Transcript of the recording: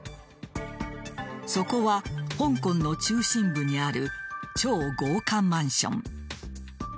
そこは香港の中心部にある超豪華マンション。